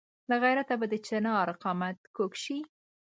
له غیرته به د چنار قامت کږ شي.